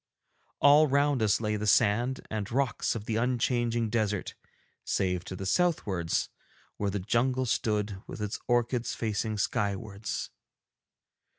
All round us lay the sand and rocks of the unchanging desert, save to the southwards where the jungle stood with its orchids facing skywards.